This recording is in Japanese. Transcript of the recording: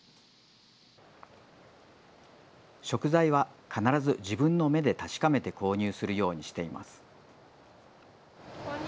食材は必ず自分の目で確かめて購入するようにしています。